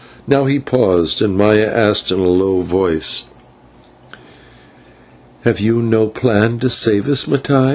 Now he paused, and Maya asked in a low voice: "Have you no plan to save us, Mattai?"